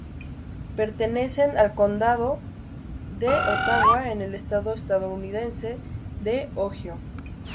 Pertenecen al condado de Ottawa, en el estado estadounidense de Ohio.